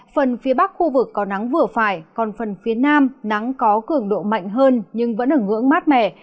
phần phía bắc khu vực có nắng vừa phải còn phần phía nam nắng có cường độ mạnh hơn nhưng vẫn ở ngưỡng mát mẻ